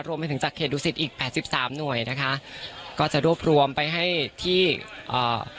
ไปถึงจากเขตดูสิตอีกแปดสิบสามหน่วยนะคะก็จะรวบรวมไปให้ที่อ่า